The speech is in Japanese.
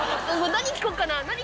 何聞こうかな？